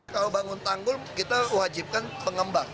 kalau bangun tanggul kita wajibkan pengembang